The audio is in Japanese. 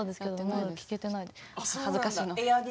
恥ずかしい。